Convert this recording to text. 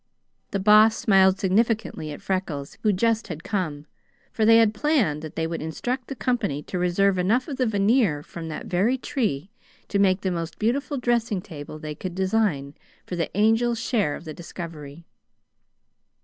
The Boss smiled significantly at Freckles, who just had come, for they had planned that they would instruct the company to reserve enough of the veneer from that very tree to make the most beautiful dressing table they could design for the Angel's share of the discovery.